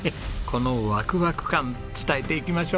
このワクワク感伝えていきましょうよ。